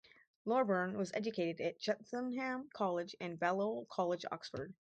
Loreburn was educated at Cheltenham College and Balliol College, Oxford.